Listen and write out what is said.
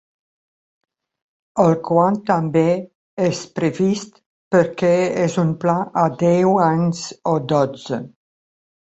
El quan també és previst, perquè és un pla a deu anys o dotze.